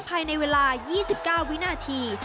ภายในเวลา๒๙วินาที